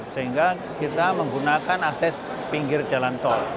sehingga kita menggunakan akses pinggir jalan tol